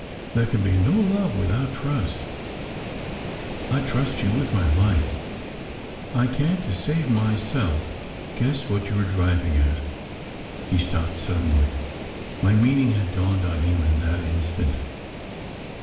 There can be no love without trust." " I d trust you with my life. I can t to save myself guess what you re driving at " He stopped suddenly. My meaning had dawned on him in that instant.